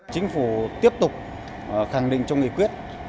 chính phủ tiếp tục khẳng định trong nghị quyết